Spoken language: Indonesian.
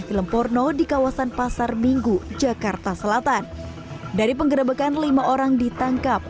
film porno di kawasan pasar minggu jakarta selatan dari penggerebekan lima orang ditangkap